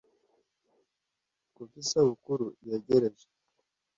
Kuko Isabukuru yegereje,